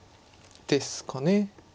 ですかね。